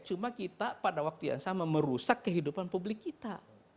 cuma kita pada waktu yang sama merusak kehidupan publik kita